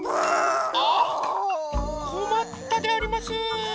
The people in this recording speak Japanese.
あっこまったであります。